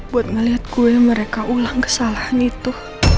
buat ngelihat gue mereka ulang kesalahan itu